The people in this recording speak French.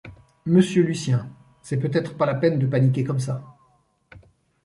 Monsieur Lucien, c’est peut-être pas la peine de paniquer comme ça.